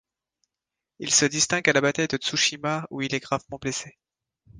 Il se distingue à la Bataille de Tsushima où il est gravement blessé.